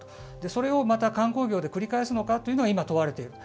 それをまた観光業で繰り返すのかというのが今、問われていると。